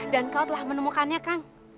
dan kau telah menemukannya kang